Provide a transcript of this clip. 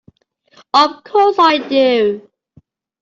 Of course I do!